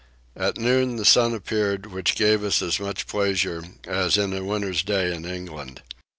At noon the sun appeared, which gave us as much pleasure as in a winter's day in England.